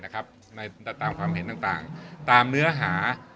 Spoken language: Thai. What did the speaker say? ตามความเห็นต่างตามเนื้อหา